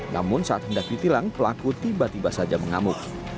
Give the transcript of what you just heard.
namun saat hendak ditilang pelaku tiba tiba saja mengamuk